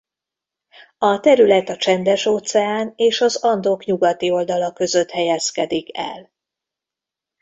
A terület a Csendes-óceán és az Andok nyugati oldala között helyezkedik el.